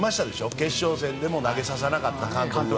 決勝戦でも投げさせなかった監督が。